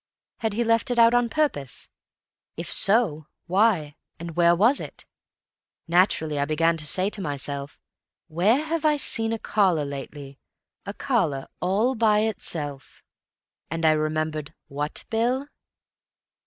Had he left it out on purpose? If so, why?—and where was it? Naturally I began to say to myself, 'Where have I seen a collar lately? A collar all by itself?' And I remembered—what, Bill?"